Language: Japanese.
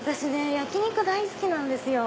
焼き肉大好きなんですよ。